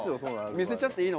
見せちゃっていいの？